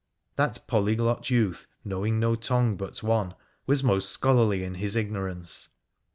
That polyglot youth, knowing no tongue but one, was most scholarly in his ignorance.